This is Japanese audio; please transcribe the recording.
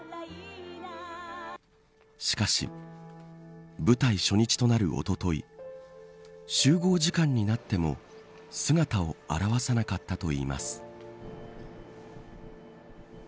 しかし、舞台初日となるおととい集合時間になっても姿を現さなかったといいます。